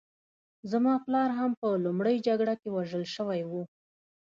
زما پلار هم په لومړۍ جګړه کې وژل شوی و